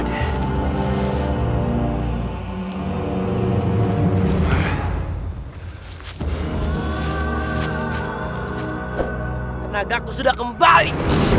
tenaga ku sudah kembali